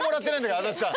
足立さん